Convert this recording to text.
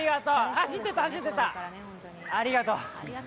走ってった、走ってった、ありがとう。